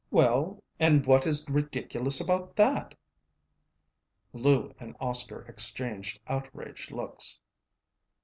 "Well, and what is ridiculous about that?" Lou and Oscar exchanged outraged looks.